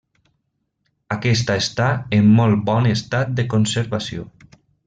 Aquesta està en molt bon estat de conservació.